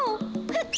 ふっ！